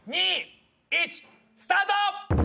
３２１スタート！